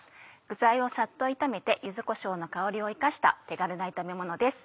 具材をサッと炒めて柚子こしょうの香りを生かした手軽な炒めものです。